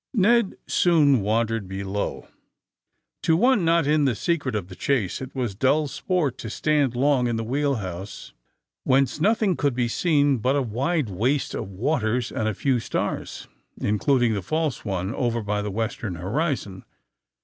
Ned soon wandered below. To one not in the secret of the chase it was dull sport to stand long in the wheel house, whence nothing could be seen but a wide waste of waters and a few stars, including the false one over by the western horizon.